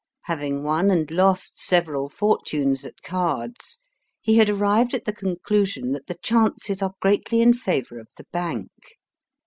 Having won and lost several fortunes at cards, he had arrived at the conclusion that the chances are greatly in favour of the bank.